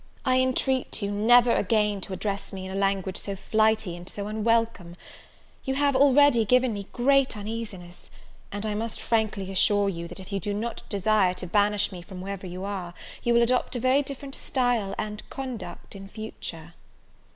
I entreat you never again to address me in a language so flighty and so unwelcome. You have already given me great uneasiness; and I must frankly assure you, that if you do not desire to banish me from wherever you are, you will adopt a very different style and conduct in future."